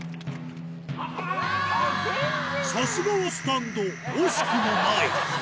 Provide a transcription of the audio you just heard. さすがはスタンド、惜しくもない。